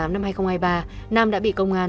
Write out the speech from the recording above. năm hai nghìn hai mươi ba nam đã bị công an